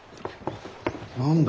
何だ？